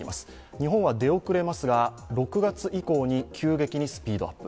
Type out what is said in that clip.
日本は出遅れますが、６月以降に急激にスピードアップ。